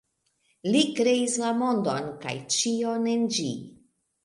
Li kreis la mondon, kaj ĉion en ĝi.